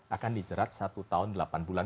akan dijerat satu tahun delapan bulan